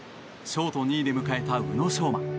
ショート２位で迎えた宇野昌磨。